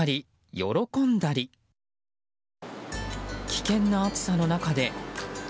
危険な暑さの中で。